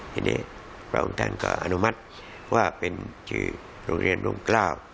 ทีนี้พระองค์ท่านก็อนุมัติว่าเป็นชื่อโรงเรียนร่มกล้า